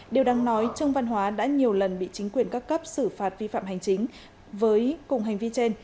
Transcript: điều đáng nói trương văn hóa đã nhiều lần bị chính quyền các cấp xử phạt vi phạm hành chính với cùng hành vi trên